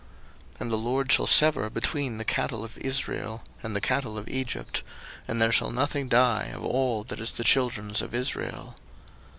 02:009:004 And the LORD shall sever between the cattle of Israel and the cattle of Egypt: and there shall nothing die of all that is the children's of Israel.